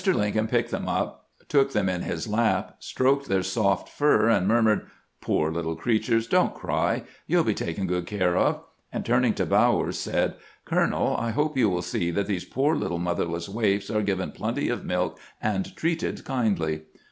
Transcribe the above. Lincoln picked them up, took them on his lap, stroked their soft fur, and murmured: "Poor little creatures, don't cry ; you '11 be taken good care of," and turning to Bowers, said :" Colonel, I hope you will see that these poor little motherless waifs are given plenty of mUk and treated kindly."